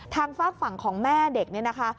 ทางฝากฝั่งของแม่เด็ก